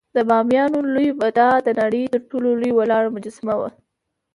د بامیانو لوی بودا د نړۍ تر ټولو لوی ولاړ مجسمه وه